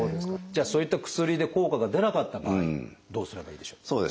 じゃあそういった薬で効果が出なかった場合どうすればいいでしょう？